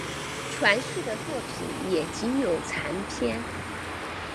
传世的作品也仅有残篇。